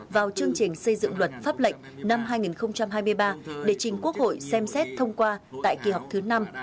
vào chương trình xây dựng luật pháp lệnh năm hai nghìn hai mươi ba để trình quốc hội xem xét thông qua tại kỳ họp thứ năm